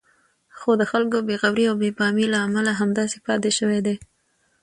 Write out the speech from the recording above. خو د خلکو بې غورئ او بې پامۍ له امله همداسې پاتې شوی دی.